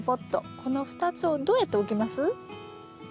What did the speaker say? この２つをどうやって置きます？